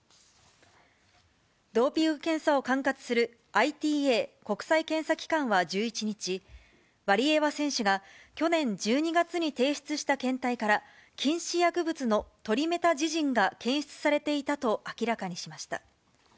ドーピング検査を管轄するＩＴＡ・国際検査機関は１１日、ワリエワ選手が去年１２月に提出した検体から、禁止薬物のトリメタジジンが検出されていたと明らかにしました。